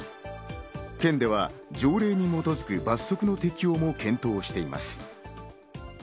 県では条例に基づく罰則の適用も検討しています。